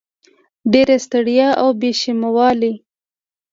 ډېره ستړیا او بې شیمه والی